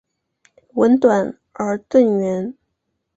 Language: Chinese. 吻短而钝圆。